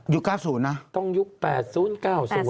ยุค๙๐นะต้องยุค๘๐๙๐ครับผม